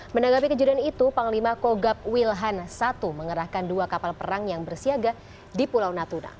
menanggapi kejadian itu panglima kogab wilhan i mengerahkan dua kapal perang yang bersiaga di pulau natuna